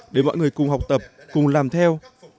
để mọi người cùng học tập cùng làm theo